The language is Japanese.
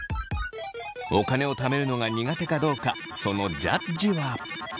お金をためるのが苦手かどうかそのジャッジは。